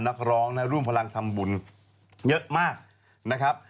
นักร้องนะร่วมพลังทำบุญเยอะมากนะครับ